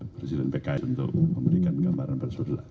presiden pks untuk memberikan gambaran personal